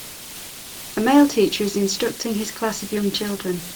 A male teacher is instructing his class of young children.